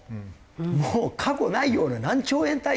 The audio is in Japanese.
もう過去ないような何兆円単位の益。